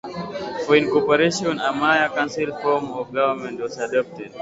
From incorporation, a mayor-council form of government was adopted.